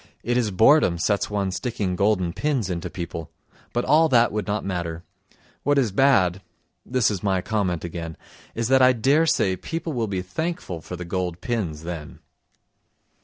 It is boredom sets one sticking golden pins into people, but all that would not matter. What is bad (this is my comment again) is that I dare say people will be thankful for the gold pins then.